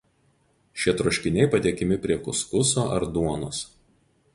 Šie troškiniai patiekiami prie kuskuso ar duonos.